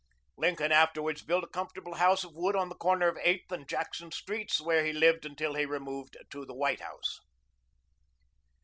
Lincoln afterwards built a comfortable house of wood on the corner of Eighth and Jackson streets, where he lived until he removed to the White House.